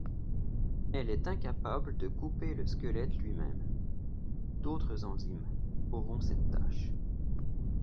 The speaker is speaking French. Elle est incapable de couper le squelette lui-même, d’autres enzymes auront cette tâche.